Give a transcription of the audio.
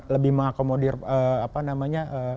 lebih mengakomodir apa namanya